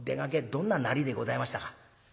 どんななりでございましたか？」。